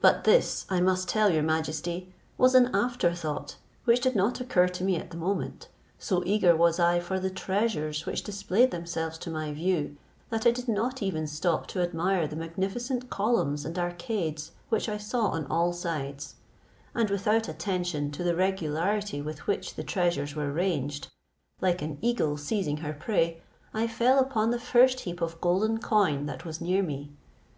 But this, I must tell your majesty, was an afterthought which did not occur to me at the moment; so eager was I for the treasures which displayed themselves to my view, that I did not even stop to admire the magnificent columns and arcades which I saw on all sides; and, without attention to the regularity with which the treasures were ranged, like an eagle seizing her prey, I fell upon the first heap of golden coin that was near me.